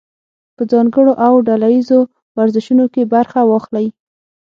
په ځانګړو او ډله ییزو ورزشونو کې برخه واخلئ.